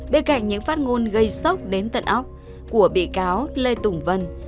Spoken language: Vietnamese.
bên cạnh những phát ngôn gây sốc đến tận óc của bị cáo lê tùng vân